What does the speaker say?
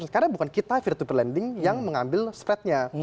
karena bukan kita peer to peer lending yang mengambil spreadnya